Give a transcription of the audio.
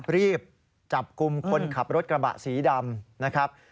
รีบจับกลุ่มคนขับรถกระบะสีดำนะครับ